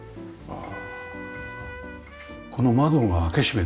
ああ。